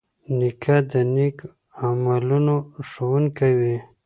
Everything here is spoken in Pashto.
نیکه د نیک عملونو ښوونکی وي.